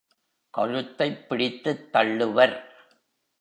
கழுத்தைப் பிடித்துத் தள்ளுவர்.